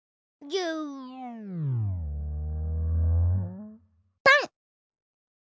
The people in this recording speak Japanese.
ぎゅぱん！